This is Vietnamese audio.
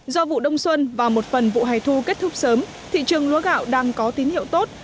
do vụ đông xuân và một phần vụ hài thu kết thúc sớm thị trường lúa gạo đang có tín hiệu tốt